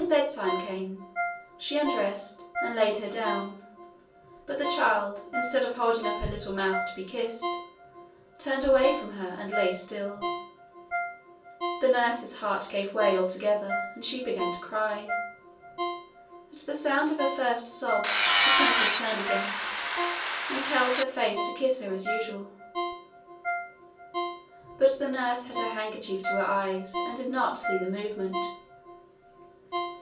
When bedtime came, she undressed and laid her down, but the child, instead of holding up her little mouth to be kissed, turned away from her and lay still. Then nursie's heart gave way altogether, and she began to cry. At the sound of her first sob the princess turned again, and held her face to kiss her as usual. But the nurse had her handkerchief to her eyes, and did not see the movement.